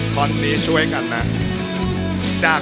ขอบคุณมาก